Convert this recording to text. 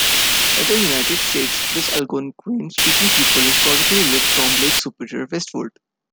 In the United States, this Algonquian-speaking people historically lived from Lake Superior westward.